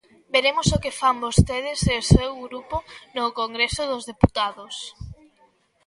Veremos o que fan vostedes e o seu grupo no Congreso dos Deputados.